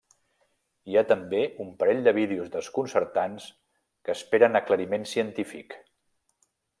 Hi ha també un parell de vídeos desconcertants que esperen aclariment científic.